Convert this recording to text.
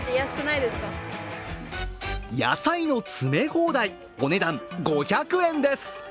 野菜の詰め放題、お値段５００円です。